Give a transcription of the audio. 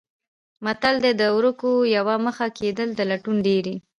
متل دی: د ورکو یوه مخه کېدل د لټون ډېرې.